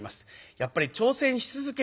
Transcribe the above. やっぱり挑戦し続けること。